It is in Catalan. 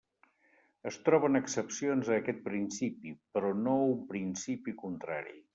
Es troben excepcions a aquest principi, però no un principi contrari.